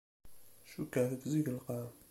Cukkeɣ tebzeg lqaɛa.